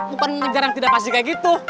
bukan mengejar yang tidak pasti kayak gitu